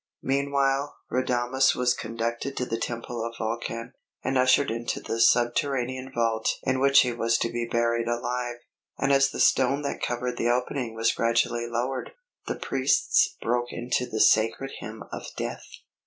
Meanwhile, Radames was conducted to the Temple of Vulcan, and ushered into the subterranean vault in which he was to be buried alive; and as the stone that covered the opening was gradually lowered, the priests broke into the sacred hymn of death.